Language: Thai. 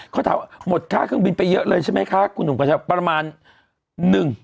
เค้าถามหมดฆ่าเครื่องบินไปเยอะเลยใช่ไหมคะก๐๑ประมาณนึง